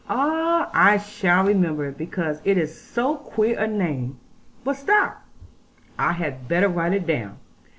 Ah, I shall remember it; because it is so queer a name. But stop, I had better write it down.